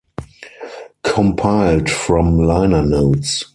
Compiled from liner notes.